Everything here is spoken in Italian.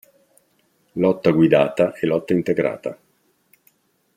Lotta guidata e lotta integrata.